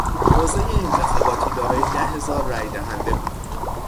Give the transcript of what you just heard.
حوزهی انتخاباتی دارای ده هزار رای دهنده بود.